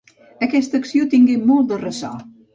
Aquesta acció tingué molt de ressò.